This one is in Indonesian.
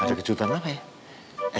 ada kejutan apa ya